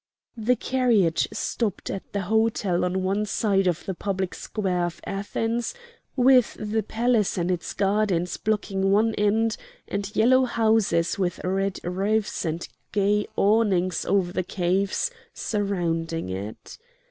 The carriage stopped at the hotel on one side of the public square of Athens, with the palace and its gardens blocking one end, and yellow houses with red roofs, and gay awnings over the cafes, surrounding it.